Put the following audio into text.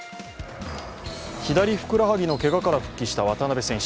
左ふくらはぎのけがから復帰した渡邊選手。